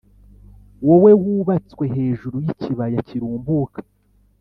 wowe wubatswe hejuru y’ikibaya kirumbuka,